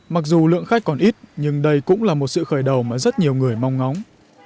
mặc dù lượng khách còn ít nhưng đây cũng là một sự khởi đầu mà rất nhiều người mong ngóng